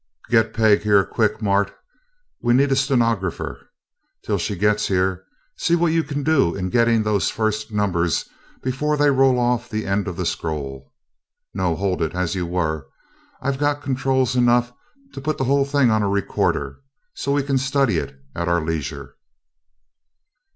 "Get Peg here quick, Mart we need a stenographer. Till she gets here, see what you can do in getting those first numbers before they roll off the end of the scroll. No, hold it as you were! I've got controls enough to put the whole thing on a recorder, so we can study it at our leisure."